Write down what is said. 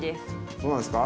そうなんですか？